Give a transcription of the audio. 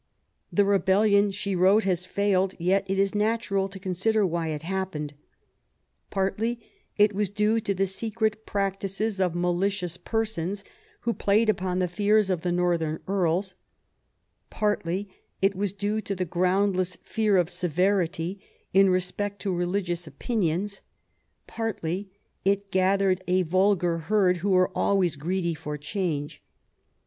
The rebellion, She wrote, has failed ; yet it is natural to consider why it happened. Partly it was due to the secret practices of malicious persons who played upon the fears of the northern Earls; partly it was due to the groundless fear of severity in respect to religious opinions ; partly it gathered a vulgar herd who are always greedy of change.